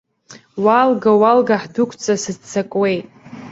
Уалга, уалга, ҳдәықәҵа, сыццакуеит.